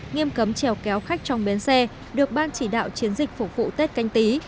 nghiêm cấm trèo kéo khách trong bến xe được ban chỉ đạo chiến dịch phục vụ tết canh tí